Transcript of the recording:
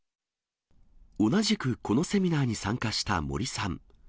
同じくこのセミナーに参加したモリさん。